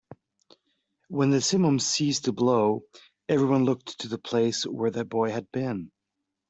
When the simum ceased to blow, everyone looked to the place where the boy had been.